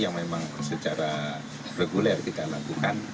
yang memang secara reguler kita lakukan